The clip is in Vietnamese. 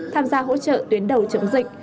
tham gia hỗ trợ tuyến đầu chống dịch